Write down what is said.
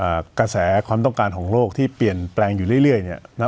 กระแสความต้องการของโลกที่เปลี่ยนแปลงอยู่เรื่อยเรื่อยเนี้ยนะ